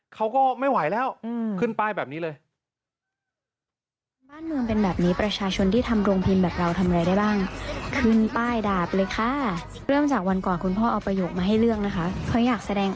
เขาก็ไม่ไหวแล้วขึ้นป้ายแบบนี้เลย